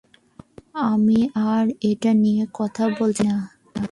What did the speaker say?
আমি আর এটা নিয়া কথা বলতে চাচ্ছি না!